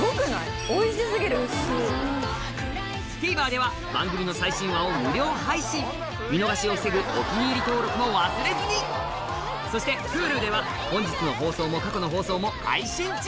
ＴＶｅｒでは番組の最新話を無料配信見逃しを防ぐ「お気に入り」登録も忘れずにそしてＨｕｌｕでは本日の放送も過去の放送も配信中！